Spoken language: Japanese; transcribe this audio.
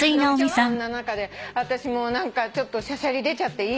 そんな中で私も何かちょっとしゃしゃり出ちゃっていい？